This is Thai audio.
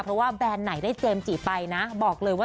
เพราะว่าแบรนด์ไหนได้เจมส์จีไปนะบอกเลยว่า